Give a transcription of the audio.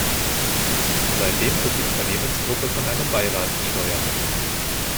Seitdem wird die Unternehmensgruppe von einem Beirat gesteuert.